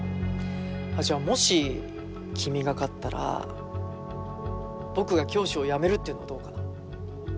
じゃあもし君が勝ったら僕が教師をやめるっていうのはどうかな？